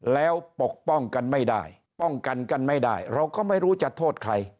แล้วปกป้องกันไม่ได้ป้องกันกันไม่ได้เราก็ไม่รู้จะโทษใคร